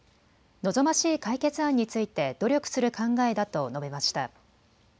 望ましい解決案について努力する考えだと述べました。